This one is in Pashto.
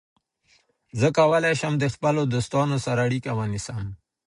زه کولای شم د خپلو دوستانو سره اړیکه ونیسم.